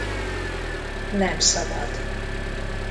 Nem szabad.